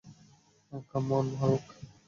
Come on, Hulk!